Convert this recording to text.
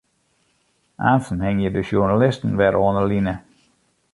Aansten hingje de sjoernalisten wer oan 'e line.